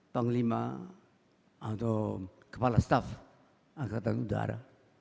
panglima atau kepala staf angkatan udara